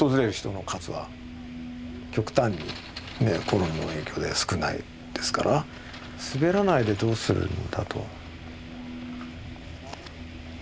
コロナの影響で少ないですから滑らないでどうするんだと。